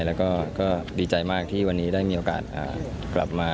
แล้วก็ดีใจมากที่วันนี้ได้มีโอกาสกลับมา